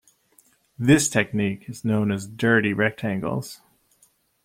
This technique is known as dirty rectangles.